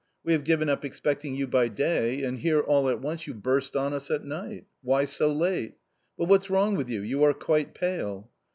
We have given up expecting you by day, and here all at once you burst on us at night ! Why so late ? But what's wrong with you ? you are quite pale."